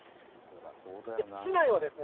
市内はですね